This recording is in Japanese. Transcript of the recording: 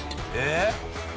えっ！